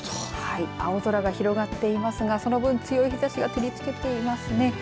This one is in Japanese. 青空が広がっていますがそのぶん強い日ざしが照りつけていますね。